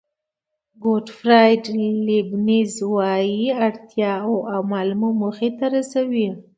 ګوټفراید لیبنېز وایي اړتیا او عمل مو موخې ته رسوي.